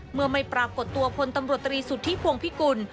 เมื่อไม่ปรากฏตัวพลตำรวจตรีสุทธิพวงพิกุล